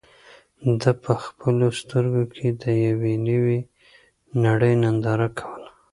ده په خپلو سترګو کې د یوې نوې نړۍ ننداره کوله.